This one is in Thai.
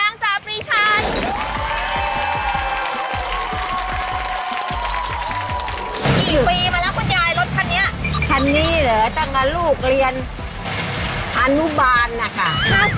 นี่เหลือตั้งแต่ลูกเรียนอนุบาลนะคะ